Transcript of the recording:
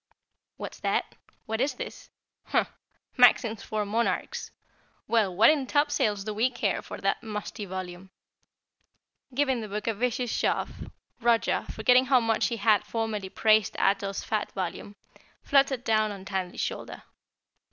'" "What's that? What's this? Humph! Maxims for Monarchs. Well, what in topsails do we care for that musty volume?" Giving the book a vicious shove, Roger, forgetting how much he had formerly praised Ato's fat volume, fluttered down on Tandy's shoulder.